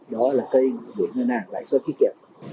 đó là kênh để ngân hàng lãi suất tiết kiệm